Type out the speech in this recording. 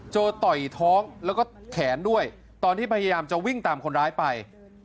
ต่อยท้องแล้วก็แขนด้วยตอนที่พยายามจะวิ่งตามคนร้ายไป